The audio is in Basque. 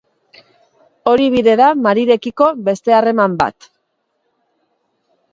Hori bide da Marirekiko beste harreman bat.